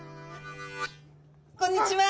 こんにちは。